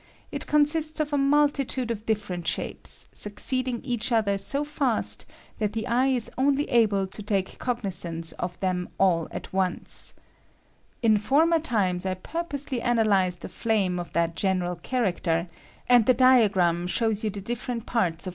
It consists of a multitude of different shapes, succeeding each other so fast ' that the eye is only able to take cognizance of them all at once. In former times I purposely analyzed a flame of that general character, and the diagram shows you the different parts of 88 ANALYSIS OF FLAME.